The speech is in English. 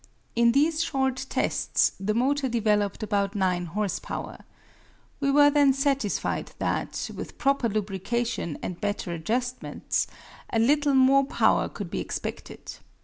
In these short tests the motor developed about nine horse power. We were then satisfied that, with proper lubrication and better adjustments, a little more power could be expected.